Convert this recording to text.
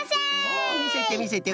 おおみせてみせて。